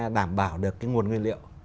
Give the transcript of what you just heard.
đảm bảo được cái nguồn nguyên liệu